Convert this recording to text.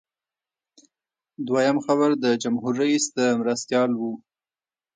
دویم خبر د جمهور رئیس د مرستیال و.